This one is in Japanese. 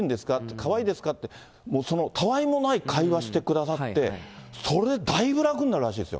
かわいいですかって、たわいもない会話してくださって、それ、だいぶ楽になるらしいですよ。